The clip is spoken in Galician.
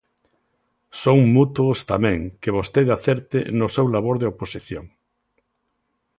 Son mutuos tamén, que vostede acerte no seu labor de oposición.